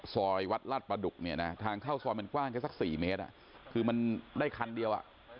ซอยวัดราดประดุกฐานเข้าซอยมันกว้างกันสัก๔เมตรคือมันได้คันเดียว